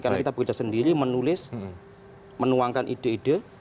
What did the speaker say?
karena kita bekerja sendiri menulis menuangkan ide ide